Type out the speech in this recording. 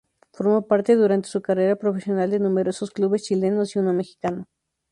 Formó parte durante su carrera profesional de numerosos clubes chilenos y uno mexicano.